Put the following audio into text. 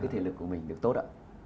cái thể lực của mình được tốt ạ